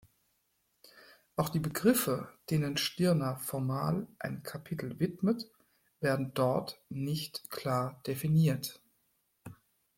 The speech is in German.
Auch die Begriffe, denen Stirner formal ein Kapitel widmet, werden dort nicht klar definiert.